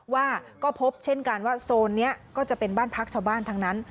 ว่าก็พบเช่นกันว่าโซนนี้ก็จะเป็นบ้านพักชาวบ้านทั้งนั้น